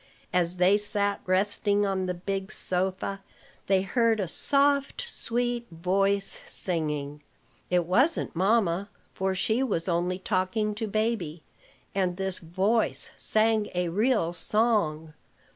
As they sat resting on the big sofa, they heard a soft, sweet voice singing. It wasn't mamma; for she was only talking to baby, and this voice sang a real song.